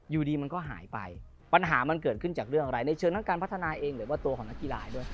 อยู่ดีมันก็หายไปปัญหามันเกิดขึ้นจากเรื่องอะไรในเชิงทั้งการพัฒนาเองหรือว่าตัวของนักกีฬาด้วย